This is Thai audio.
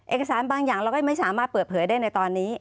เอกสารบางอย่างเราก็ไม่สามารถเปิดเผยได้ในตอนนี้